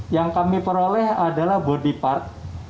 yang kami peroleh adalah body part